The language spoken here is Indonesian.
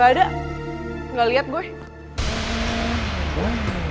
gak ada gak liat gue